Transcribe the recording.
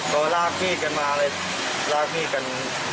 ก็ลากพี่กันมาเลยลากมีดกัน